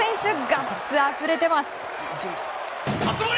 ガッツあふれてます。